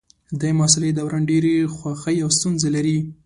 د محصلۍ دوران ډېرې خوښۍ او ستونزې لري.